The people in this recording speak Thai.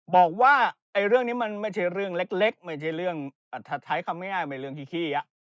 บอกว่าเรื่องนี้มันไม่ใช่เรื่องเล็กไม่ใช่เรื่องถ้าใช้คำง่ายไม่เรื่องขี้